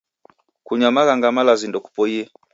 Kunywa maghanga malazi ndokupoie